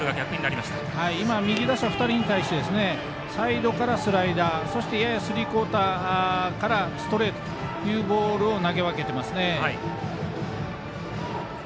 右打者２人に対してサイドからスライダーややスリークオーターからストレートというボールを投げ分けていますね。